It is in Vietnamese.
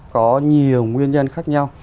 có nhiều nguyên nhân khác nhau